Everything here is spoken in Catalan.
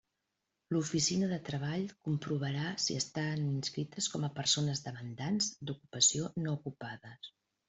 L'oficina de Treball comprovarà si estan inscrites com a persones demandants d'ocupació no ocupades.